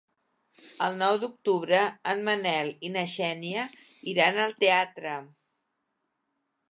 El nou d'octubre en Manel i na Xènia iran al teatre.